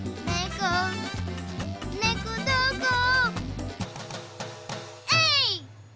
こねこどこえい！